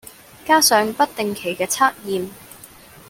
加上不定期嘅測驗